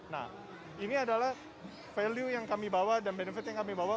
nah ini adalah value yang kami bawa dan benefit yang kami bawa